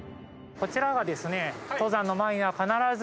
こちらがですね。